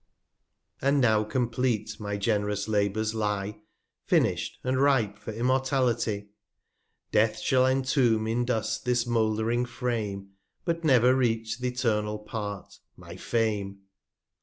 And now compleat my gen'rous Labours lye, Finish'd, and ripe for Immortality. Death shall entomb in Dust this mould'ring Frame, But never reach th' eternal Part, my Fame.